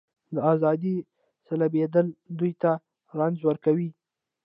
د ازادۍ سلبېدل دوی ته رنځ ورکوي.